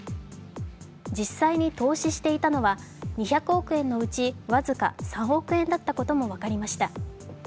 実際に投資していたのは２００億円のうち、僅か３億円だったことも分かりました。